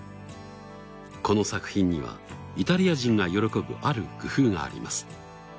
この作品にはイタリア人が喜ぶある工夫があります。